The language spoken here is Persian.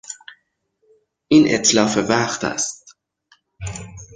این اتلاف وقت است.